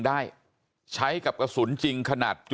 บอกแล้วบอกแล้วบอกแล้ว